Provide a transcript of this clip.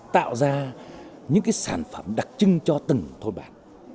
tạo ra những sản phẩm đặc trưng cho từng thôn bản